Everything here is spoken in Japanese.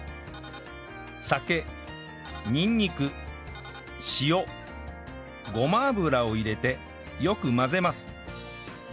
酒にんにく塩ごま油を入れてよく混ぜます